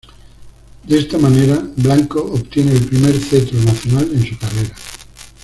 De esta manera, Blanco obtiene el primer cetro nacional en su carrera.